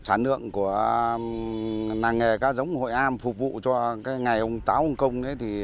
sản lượng của làng nghề cá giống hội am phục vụ cho ngày ông táo hồng công